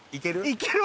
いける？